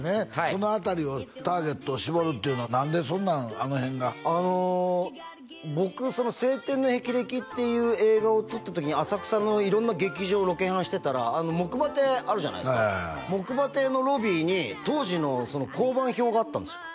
その辺りをターゲットを絞るっていうのを何でそんなんあの辺があの僕「青天の霹靂」っていう映画を撮った時に浅草の色んな劇場をロケハンしてたらあの木馬亭あるじゃないですか木馬亭のロビーに当時の香盤表があったんですよ